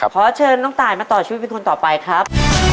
ขอเชิญน้องตายมาต่อชีวิตเป็นคนต่อไปครับ